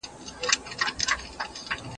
ایا ماشومانو ته مو د ګاونډیانو د حقونو وویل؟